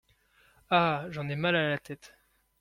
Ah ! j’en ai mal à la tête !